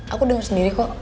aku denger sendiri kok